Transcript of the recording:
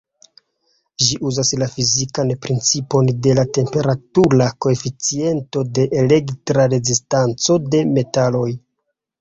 Ĝi uzas la fizikan principon de la temperatura koeficiento de elektra rezistanco de metaloj.